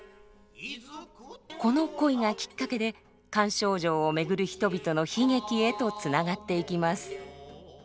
この恋がきっかけで菅丞相を巡る人々の悲劇へとつながっていきます。